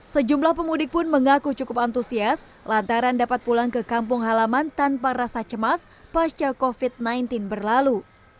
sejumlah pemudik pun mengaku cukup antusias lantaran dapat pulang ke kampung halaman tanpa rasa cemas pasca covid sembilan belas berlalu